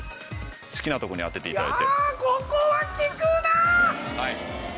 好きなとこに当てて頂いて。